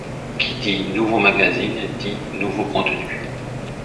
Qui dit nouveau magazine, dit nouveau contenu.